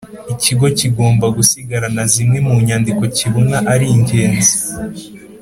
Ikigo kigomba gusigarana zimwe mu nyandiko kibona ari ingenzi